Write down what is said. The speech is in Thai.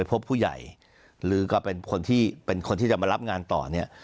พบผู้ใหญ่หรือก็เป็นคนที่เป็นคนที่จะมารับงานต่อเนี่ย